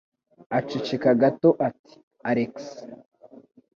Aceceka gato ati: "Alex".